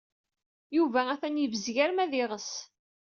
Yuba atan yebzeg arma d iɣes.